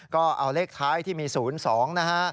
ก็เอาเลขท้ายที่มี๐๒นะฮะ